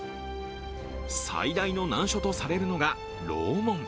最大の難所とされるのが楼門。